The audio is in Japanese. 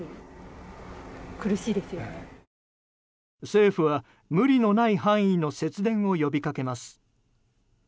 政府は無理のない範囲での節電を呼びかけます。